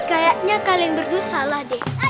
kayaknya kalian berdua salah deh